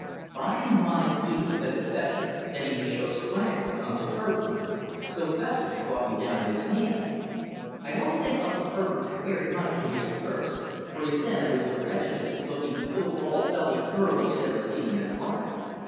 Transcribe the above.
By and by Edith said to Fessor that he must show Scraggles to Uncle Herbert. So Fessor brought me down in his hand. I don't think Uncle Herbert cared much for me at first, for he said I was the wretchedest looking little bald bellied bird he had ever seen in his life.